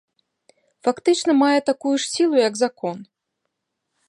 Фактычна мае такую ж сілу, як закон.